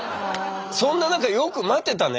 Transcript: そんな中よく待てたね。